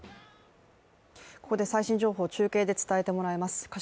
ここで最新情報を中継で伝えてもらいます。